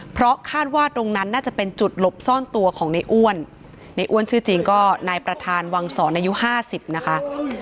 เพราะคาดว่าตรงนั้นน่าจะเป็นจุดหลบซ่อนตัวของในอ้วนในอ้วนชื่อจริงก็นายประธานวังศรอายุห้าสิบนะคะ